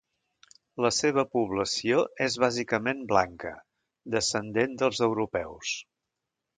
La seva població és bàsicament blanca, descendent dels europeus.